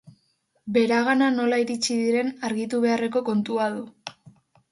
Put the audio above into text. Beragana nola iritsi diren argitu beharreko kontua du.